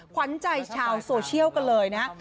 ขวัญใจชาวโซเชียลกันเลยนะฮะ